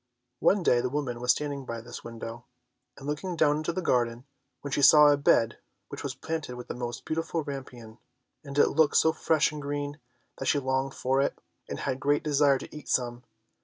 One day the woman was standing by this window and looking down into the garden, when she saw a bed which was planted with the most beautiful rampion (rapunzel), and it looked so fresh and green that she longed for it, and had the greatest desire to eat some.